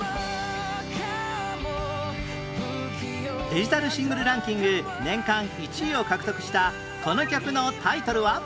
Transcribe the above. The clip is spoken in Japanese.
デジタルシングルランキング年間１位を獲得したこの曲のタイトルは？